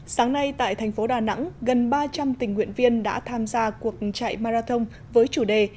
sáng nay tại thành phố đà nẵng gần ba trăm linh tình nguyện viên đã tham gia cuộc chạy marathon với chủ đề